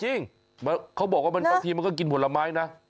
จริงเขาบอกว่าแมนตอนนี้ก็กินผลไม้นะ